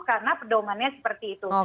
karena pedoman nya seperti itu